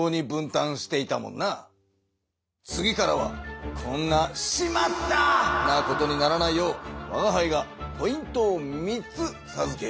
次からはこんな「しまった！」なことにならないようわがはいがポイントを３つさずけよう。